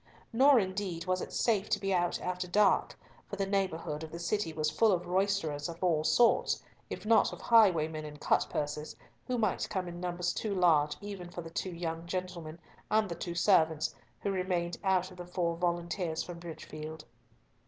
Nor, indeed, was it safe to be out after dark, for the neighbourhood of the city was full of roisterers of all sorts, if not of highwaymen and cutpurses, who might come in numbers too large even for the two young gentlemen and the two servants, who remained out of the four volunteers from Bridgefield.